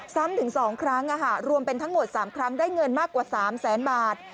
ซ้ำถึง๒ครั้งรวมเป็นทั้งหมด๓ครั้งได้เงินมากกว่า๓แสนบาท